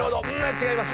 違います。